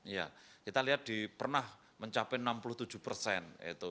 kita lihat di pernah mencapai enam puluh tujuh persen